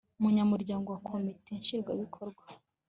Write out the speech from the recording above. munyamuryango wa Komite Nshingwabikorwa